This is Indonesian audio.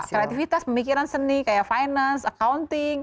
kreativitas pemikiran seni kayak finance accounting